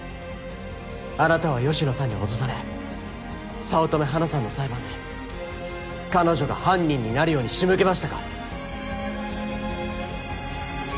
あなたは芳野さんに脅され早乙女花さんの裁判で彼女が犯人になるように仕向けましたか？